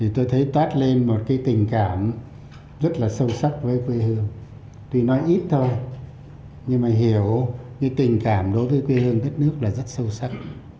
tùy nói ít thôi nhưng mà hiểu tình cảm đối với quê hương đất nước là rất sâu sắc